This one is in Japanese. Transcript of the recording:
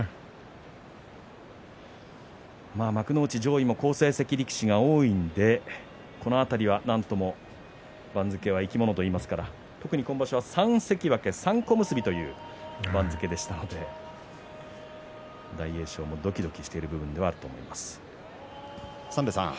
幕内上位も好成績力士が多いのでこの辺りはなんとも番付は生き物といいますから特に今場所は３関脇３小結という番付でしたので大栄翔もどきどきしている部分があると思います。